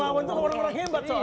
melawan itu orang orang hebat soalnya